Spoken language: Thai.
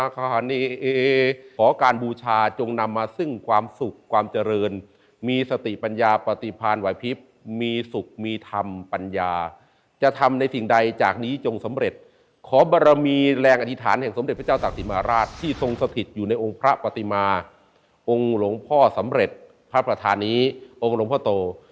ขอการบูชาจงนำมาซึ่งความสุขความเจริญมีสติปัญญาปฏิพันธ์ไหวพิบมีสุขมีธรรมปัญญาจะทำในสิ่งใดจากนี้จงสำเร็จขอบรมีแรงอธิษฐานแห่งสมเด็จพระเจ้าตากศิมาราชที่ทรงสถิตอยู่ในองค์พระปฏิมาองค์หลวงพ่อสำเร็จพระประธานีองค์หลวงพ่อโต